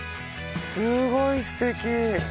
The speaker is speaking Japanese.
すごいすてき。